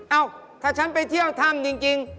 เอ้าถ้าฉันไปเที่ยวถ้ำจริง